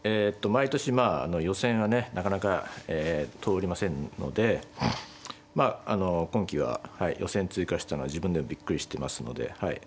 毎年まあ予選はねなかなか通りませんのでまああの今期は予選通過したのは自分でもびっくりしてますのではい